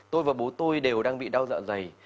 tôi và bố tôi đều đang bị đau dạ dày